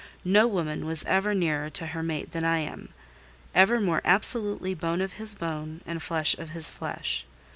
No woman was ever nearer to her mate than I am: ever more absolutely bone of his bone and flesh of his flesh.